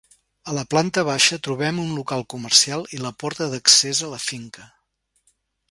A la planta baixa trobem un local comercial i la porta d'accés a la finca.